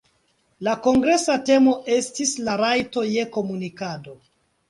La kongresa temo estis "La rajto je komunikado".